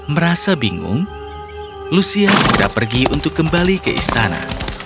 merasa bingung lucia segera pergi untuk kembali ke istana